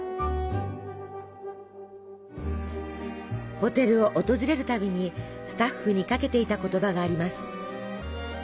ホテルを訪れるたびにスタッフにかけていた言葉があります。